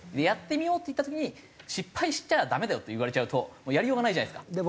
やってみようっていった時に失敗しちゃダメだよと言われちゃうとやりようがないじゃないですか。